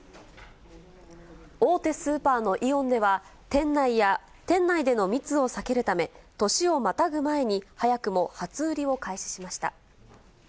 大手スーパーのイオンでは、店内や店内での密を避けるため、年をまたぐ前に、早くも初売りを開始しました。